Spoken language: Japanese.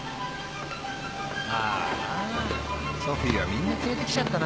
ああソフィーはみんな連れて来ちゃったな。